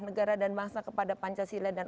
negara dan bangsa kepada pancasila dan